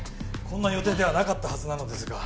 こんな予定ではなかったはずなのですが。